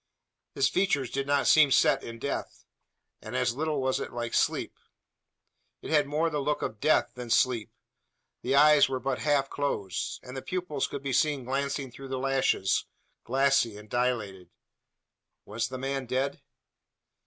His features did not seem set in death: and as little was it like sleep. It had more the look of death than sleep. The eyes were but half closed; and the pupils could be seen glancing through the lashes, glassy and dilated. Was the man dead?